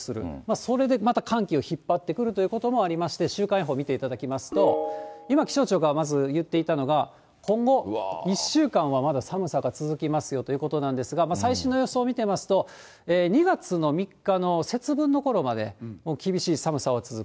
それでまた寒気を引っ張ってくるということもありまして、週間予報を見ていただきますと、今、気象庁がまず言っていたのが、今後１週間はまだ寒さが続きますよということなんですが、最新の予想を見てますと、２月の３日の節分のころまで、厳しい寒さは続く。